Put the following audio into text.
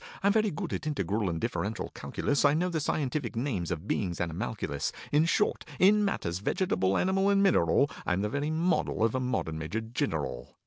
I'm very good at integral and differential calculus, I know the scientific names of beings animalculous. In short, in matters vegetable, animal, and mineral, I am the very model of a modern Major Gineral.